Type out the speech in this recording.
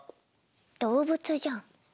動物じゃん。